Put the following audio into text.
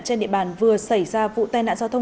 trên địa bàn vừa xảy ra vụ tai nạn giao thông